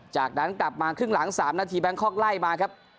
จากนั้นกลับมาครึ่งหลัง๓นาทีแบงคอกไล่มาครับ